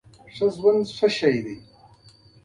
کورس د تمرین لپاره مهم دی.